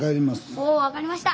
お分かりました！